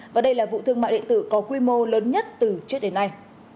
và đây là vụ thương mại đệ tử có quy mô lớn nhất từ trước đến nay